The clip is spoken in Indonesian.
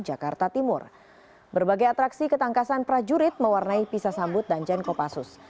jakarta timur berbagai atraksi ketangkasan prajurit mewarnai pisah sambut dan jen kopassus